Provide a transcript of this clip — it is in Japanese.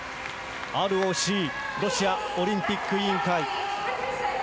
ＲＯＣロシアオリンピック委員会。